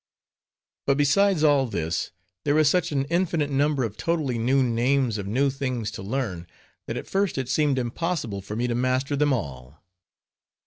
But besides all this, there is such an infinite number of totally new names of new things to learn, that at first it seemed impossible for me to master them all.